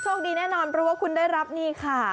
โชคดีแน่นอนเพราะคุณได้รับนี่ค่ะ